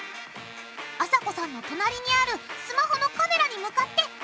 あさこさんの隣にあるスマホのカメラに向かって踊るよ！